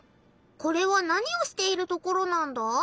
これは何をしているところなんだ？